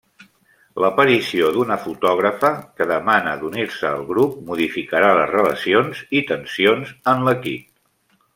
L'aparició d'una fotògrafa, que demana d'unir-se al grup, modificarà les relacions i tensions en l'equip.